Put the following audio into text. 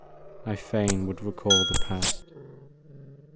I fain would recall the past.